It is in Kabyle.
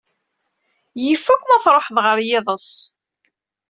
Yif-ak ma truḥeḍ ɣer yiḍes.